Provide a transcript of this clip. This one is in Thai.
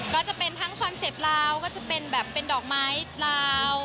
ก็จะเป็นทั้งคอนเซ็ตลาวก็จะเป็นแบบเป็นดอกไม้ลาว